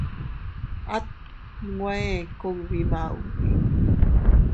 At nwe ee kugbi maubi.